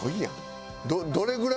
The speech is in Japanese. どれぐらいなん？